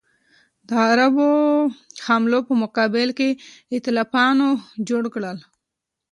د عربو حملو په مقابل کې ایتلافونه جوړ کړل.